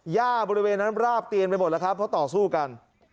ย่าบริเวณนั้นราบเตียนไปหมดแล้วครับเพราะต่อสู้กัน